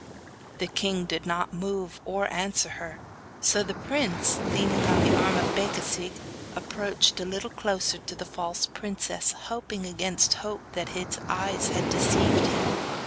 The king did not move or answer her; so the prince, leaning on the arm of Becasigue, approached a little closer to the false princess, hoping against hope that his eyes had deceived him.